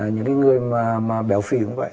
những người mà béo phì cũng vậy